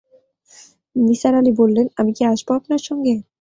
নিসার আলি বললেন, আমি কি আসব আপনার সঙ্গে?